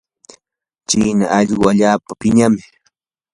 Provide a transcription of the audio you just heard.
china allquu allaapa piñam.